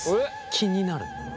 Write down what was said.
気になる？